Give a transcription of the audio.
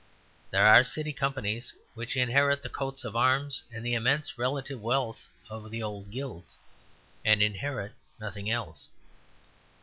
There are City Companies which inherit the coats of arms and the immense relative wealth of the old Guilds, and inherit nothing else.